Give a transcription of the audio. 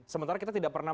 sementara kita tidak pernah